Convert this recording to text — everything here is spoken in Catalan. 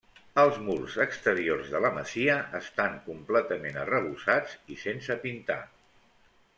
Els murs exteriors de la masia estan completament arrebossats i sense pintar.